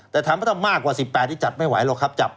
แต่ถามว่าถ้ามากกว่า๑๘ที่จัดไม่ไหวหรอกครับจับ